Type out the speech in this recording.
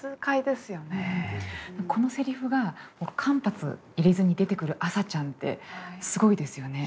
このセリフが間髪入れずに出てくる麻ちゃんってすごいですよね。